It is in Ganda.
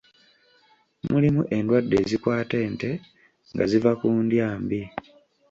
Mulimu endwadde ezikwata ente nga ziva ku ndya mbi.